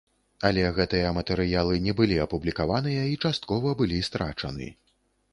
Але гэтыя матэрыялы не былі апублікаваныя і часткова былі страчаны.